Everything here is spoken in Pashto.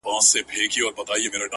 د گران صفت كومه!